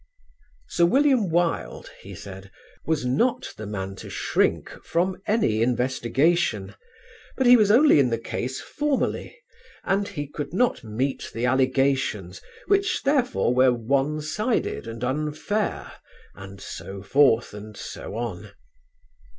Sir William Wilde, he said, was not the man to shrink from any investigation: but he was only in the case formally and he could not meet the allegations, which therefore were "one sided and unfair" and so forth and so on.